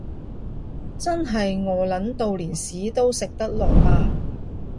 真係餓 𨶙 到連屎都食得落呀